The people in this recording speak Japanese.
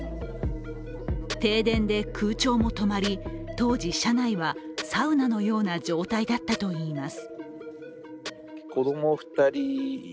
停電で空調も止まり、当時、車内は、サウナのような状態だったといいます。